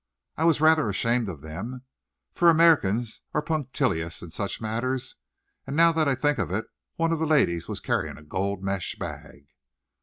I was rather ashamed of them, for Americans are punctilious in such matters; and now that I think of it, one of the ladies was carrying a gold mesh bag."